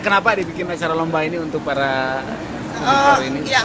kenapa dibikin masyarakat lomba ini untuk para penyelidik